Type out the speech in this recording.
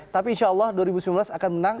tapi insyaallah dua ribu sembilan belas akan menang